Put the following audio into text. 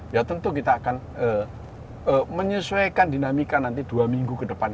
ya tentu kita akan menyesuaikan dinamika nanti dua minggu ke depan